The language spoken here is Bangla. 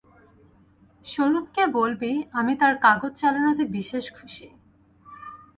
স্বরূপকে বলবি, আমি তার কাগজ চালানোতে বিশেষ খুশী।